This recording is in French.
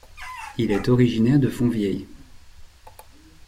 Il est originaire de Fontvieille.